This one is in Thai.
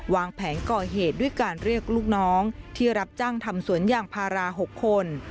วางแผนก่อเหตุด้วยการเรียกลูกน้องที่รับจ้างทำสวนยางพารา๖คน